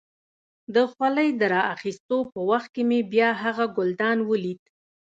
د خولۍ د را اخيستو په وخت کې مې بیا هغه ګلدان ولید.